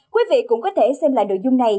quý vị cũng có thể xem lại nội dung này